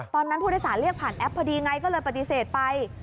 ตอนนั้นผู้โดยสารเรียกผ่านแอปพอดีไงก็เลยปฏิเสธไป